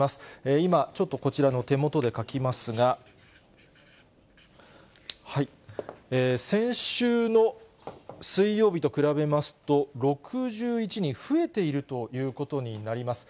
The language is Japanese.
今、ちょっとこちらの手元で書きますが、先週の水曜日と比べますと、６１人増えているということになります。